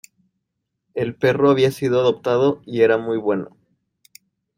El perro había sido adoptado y era muy bueno.